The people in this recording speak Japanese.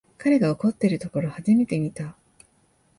彼が怒ってるところ初めて見た